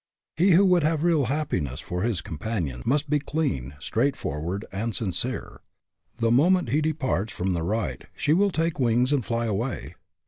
He who would have real happiness for his companion must be clean, straightforward, and sincere. The mo ment he departs from the right she will take wings and fly away.